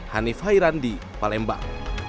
hanif hairandi palembang